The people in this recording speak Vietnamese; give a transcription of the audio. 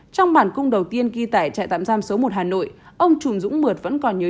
trong bản cung đầu tiên ghi tải trại tạm giam số một hà nội ông chùm dũng mượt vẫn còn nhớ